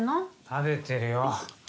食べてるよ。